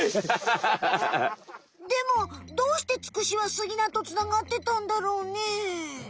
でもどうしてツクシはスギナとつながってたんだろうね？